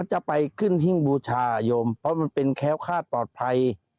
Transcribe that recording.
จะไปขึ้นหิ้งบูชายมเพราะมันเป็นแค้วคาดปลอดภัย